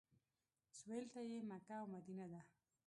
سویل ته یې مکه او مدینه ده.